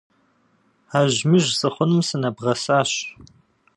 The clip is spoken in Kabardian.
Ажьмыжь сыхъуным сынэбгъэсащ.